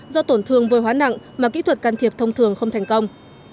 do tổn thương vô hóa nặng mà kỹ thuật can thiệp thông thường không thành công